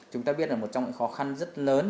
chúng ta biết là một trong những khó khăn rất lớn